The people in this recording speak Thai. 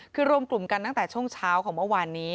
คือรวมกลุ่มกันตั้งแต่ช่วงเช้าของเมื่อวานนี้